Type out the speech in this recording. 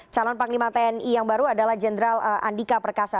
calon panglima tni yang baru adalah jenderal andika perkasa